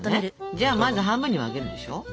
じゃあまず半分に分けるでしょ。